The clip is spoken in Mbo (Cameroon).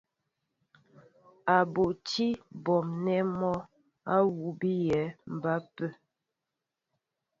A butí a bon nɛ́ mɔ awʉ́ bíyɛ́ ba ápə́.